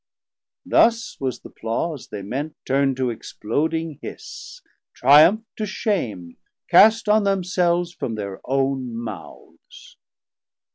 Thus was th' applause they meant, Turnd to exploding hiss, triumph to shame Cast on themselves from thir own mouths.